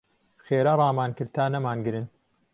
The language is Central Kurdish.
خێرا ڕامان کرد تا نەمانگرن.